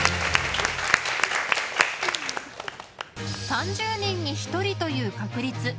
３０人に１人という確率。